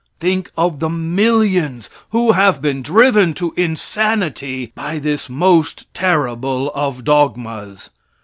Think of the millions who have been driven to insanity by this most terrible of dogmas.